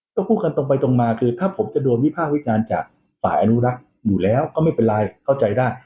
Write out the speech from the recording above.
ก็พูดกันตรงไปตรงมาคือถ้าผมจะโดนวิพากษ์วิจารณ์จากฝ่ายอนุรักษ์อยู่แล้วก็ไม่เป็นไรเข้าใจได้